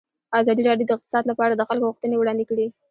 ازادي راډیو د اقتصاد لپاره د خلکو غوښتنې وړاندې کړي.